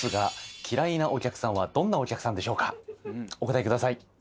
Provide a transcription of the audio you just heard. お答えください。